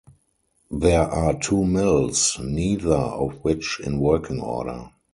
There are two mills, neither of which in working order.